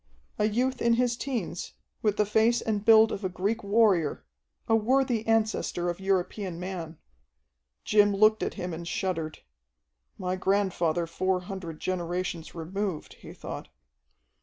A youth in his teens, with the face and build of a Greek warrior, a worthy ancestor of European man. Jim looked at him and shuddered. "My grandfather four hundred generations removed," he thought.